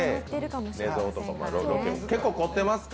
結構こってますか？